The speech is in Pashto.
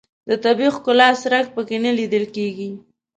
د طبیعي ښکلا څرک په کې نه لیدل کېږي.